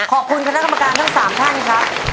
ขอบคุณคณะกรรมการทั้ง๓ท่านครับ